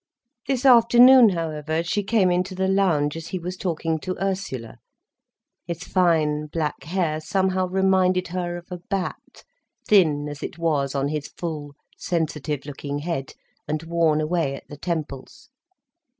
This afternoon, however, she came into the lounge as he was talking to Ursula. His fine, black hair somehow reminded her of a bat, thin as it was on his full, sensitive looking head, and worn away at the temples.